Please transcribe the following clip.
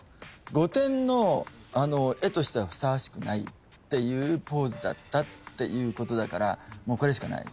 御殿の絵としてはふさわしくないっていうポーズだったっていうことだからこれしかないです。